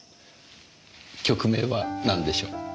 曲名はなんでしょう？